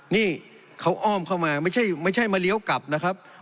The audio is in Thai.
นี่เขาอ้อมเข้ามาไม่ใช่มาเลี้ยวกลับนะครับ